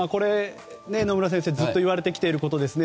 野村先生、ずっと言われてきていることですよね。